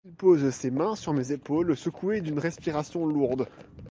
Il pose ses mains sur mes épaules secouées d’une respiration lourde.